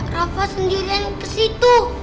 rafa sendirian kesitu